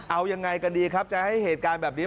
เอายังไงกันดีครับจะให้เหตุการณ์แบบนี้